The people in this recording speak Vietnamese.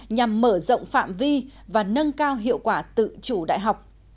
nhằm mở rộng phạm vi và nâng cao hiệu quả tự chủ đại học